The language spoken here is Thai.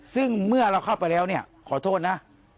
ซึ่งเมื่อเราเข้าไปแล้วเนี่ยขอโทษนะ